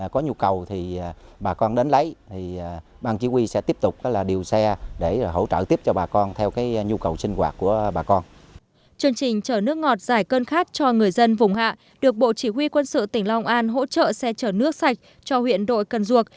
chương trình chở nước ngọt giải cơn khát cho người dân vùng hạ được bộ chỉ huy quân sự tỉnh long an hỗ trợ xe chở nước sạch cho huyện đội cần duộc